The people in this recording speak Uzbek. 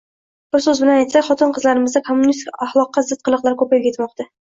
— Bir so‘z bilan aytsak, xotin-qizlarimizda kommunistik axloqqa zid qiliqlar ko‘payib ketmoqda.